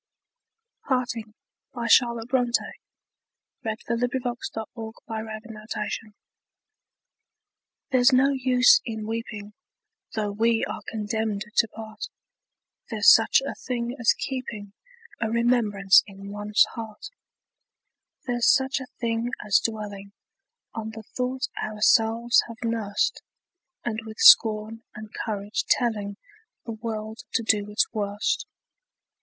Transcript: If sometimes in thy heart should beat One pulse, still true to me. PARTING. There's no use in weeping, Though we are condemned to part: There's such a thing as keeping A remembrance in one's heart: There's such a thing as dwelling On the thought ourselves have nursed, And with scorn and courage telling The world to do its worst.